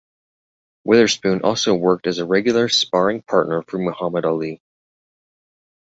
Witherspoon also worked as a regular sparring partner for Muhammad Ali.